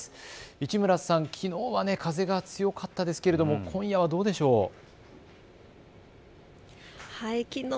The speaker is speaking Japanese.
市村さん、きのうは風が強かったですけれども今夜はどうでしょう。